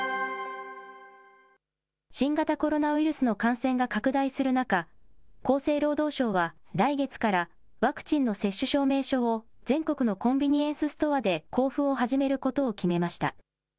新型コロナウイルスの感染が拡大する中、厚生労働省は来月から、ワクチンの接種証明書を全国のコンビニエンスストアで交付を始めることを決めました。